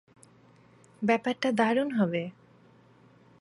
ব্যাপারটা দারুণ হবে।